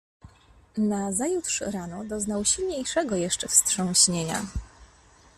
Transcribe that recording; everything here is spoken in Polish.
"Nazajutrz rano doznał silniejszego jeszcze wstrząśnienia."